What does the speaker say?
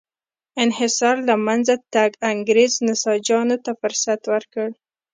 انحصار له منځه تګ انګرېز نساجانو ته فرصت ورکړ.